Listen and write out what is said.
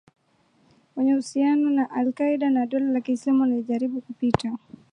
Wenye uhusiano na al-Kaeda na Dola la kiislamu wanajaribu kupita